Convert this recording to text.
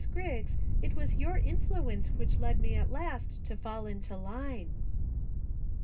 28/ Griggs, It was your influence which led me at last to fall into line."